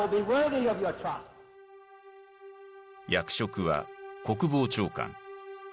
役職は国防長官。